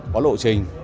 có lộ trình